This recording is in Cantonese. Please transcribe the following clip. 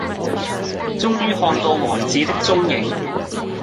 終於看到王子的踪影